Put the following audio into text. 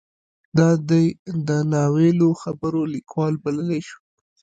دای د نا ویلو خبرو لیکوال بللی شو.